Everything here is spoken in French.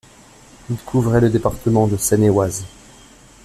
Il couvrait le département de Seine-et-Oise.